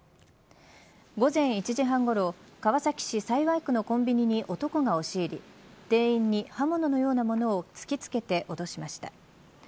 午前１時半ごろ川崎市幸区のコンビニに男が押し入り店員に刃物のようなものを突き付けておどしました。